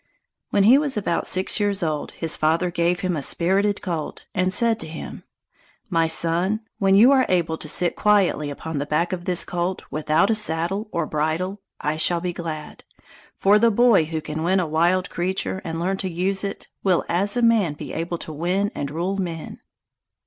When he was about six years old, his father gave him a spirited colt, and said to him: "My son, when you are able to sit quietly upon the back of this colt without saddle or bridle, I shall be glad, for the boy who can win a wild creature and learn to use it will as a man be able to win and rule men."